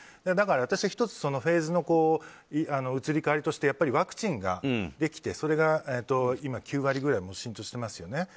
だから１つフェーズの移り変わりとしてワクチンができてそれが９割くらい浸透していますよね。